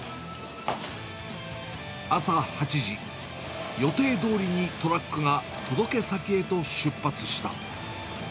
朝８時、予定どおりにトラックが届け先へと出発した。